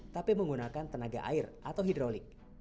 tapi menggunakan tenaga air atau hidrolik